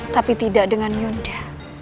tapi tidak dengan yunda